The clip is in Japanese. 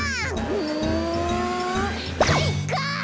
うんかいか！